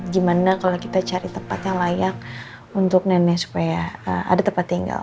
gimana kalau kita cari tempat yang layak untuk nenek supaya ada tempat tinggal